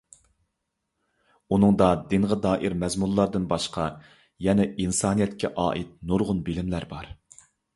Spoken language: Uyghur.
ئۇنىڭدا دىنغا دائىر مەزمۇنلاردىن باشقا يەنە ئىنسانىيەتكە ئائىت نۇرغۇن بىلىملەر بار.